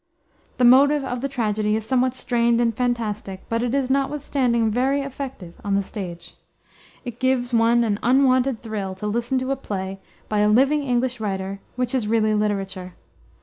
The motive of the tragedy is somewhat strained and fantastic, but it is, notwithstanding, very effective on the stage. It gives one an unwonted thrill to listen to a play, by a living English writer, which is really literature.